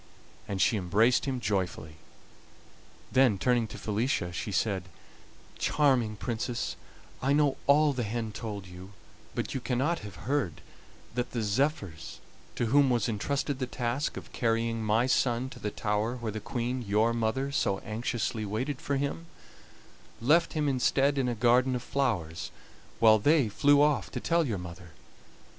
And she embraced him joyfully. Then, turning to Felicia, she said: "Charming Princess, I know all the hen told you, but you cannot have heard that the zephyrs, to whom was entrusted the task of carrying my son to the tower where the Queen, your mother, so anxiously waited for him, left him instead in a garden of flowers, while they flew off to tell your mother.